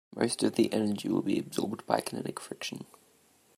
Most of the energy will be absorbed by kinetic friction.